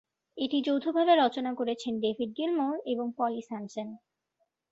এটি যৌথভাবে রচনা করেছেন ডেভিড গিলমোর এবং পলি স্যামসন।